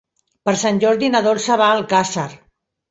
Per Sant Jordi na Dolça va a Alcàsser.